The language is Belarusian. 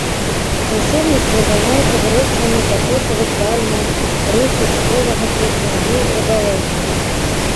Насельніцтва займаецца вырошчваннем какосавых пальмаў, рысу, цукровага трыснягу, рыбалоўствам.